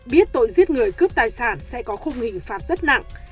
biết tội giết người cướp tài sản sẽ có khung hình phạt rất nặng